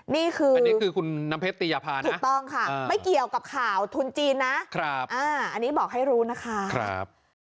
นี่คือถูกต้องค่ะไม่เกี่ยวกับข่าวทุนจีนนะอันนี้บอกให้รู้นะคะ